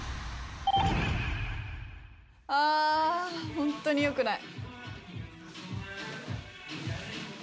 あー、本当によくない。